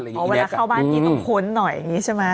เหอะเวลาเข้าบ้านคือต้องขนหน่อยอย่างนี้ใช่มั้ย